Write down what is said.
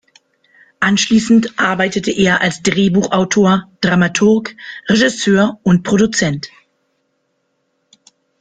Anschließend arbeitete er als Drehbuchautor, Dramaturg, Regisseur und Produzent.